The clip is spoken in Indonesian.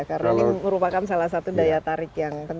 karena ini merupakan salah satu daya tarik yang penting